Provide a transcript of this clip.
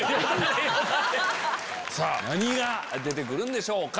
何が出てくるんでしょうか？